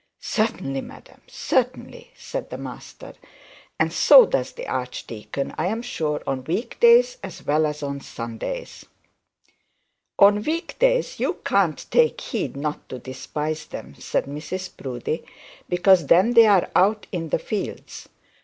'Certainly, madam, certainly,' said the master, 'and so does the archdeacon, I am sure, on week days as well as on Sundays.' 'On week days you can't take heed not to despise them,' said Mrs Proudie, 'because they are out in the fields.